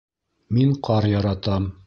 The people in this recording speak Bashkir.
Мин ҡар яратам